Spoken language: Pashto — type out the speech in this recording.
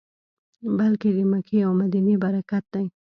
بلکې د مکې او مدینې برکت دی.